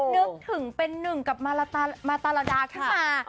นึกถึงเป็นหนึ่งกับมาตาราดาขึ้นมา